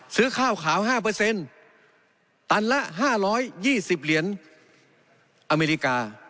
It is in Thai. ซื้อข้าวขาว๕ตันละ๕๒๐เหรียญอเมริกา